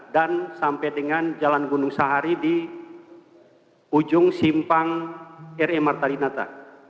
dan sampai dengan jalan gunung sahari di ujung simpang r m martalinata